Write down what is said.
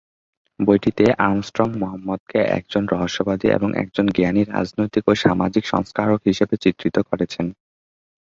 বইটিতে, আর্মস্ট্রং মুহাম্মদকে একজন রহস্যবাদী এবং একজন জ্ঞানী রাজনৈতিক ও সামাজিক সংস্কারক হিসাবে চিত্রিত করেছেন।